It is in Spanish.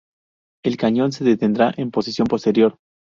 El cañón se detendrá en posición posterior.